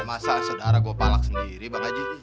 masa saudara gua palak sendiri bang haji